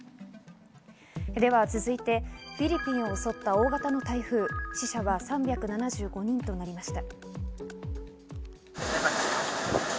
続いて、フィリピンを襲った大型の台風、死者は３７５人となりました。